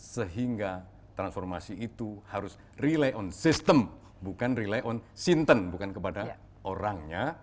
sehingga transformasi itu harus relay on system bukan rely on sintent bukan kepada orangnya